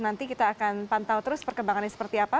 nanti kita akan pantau terus perkembangannya seperti apa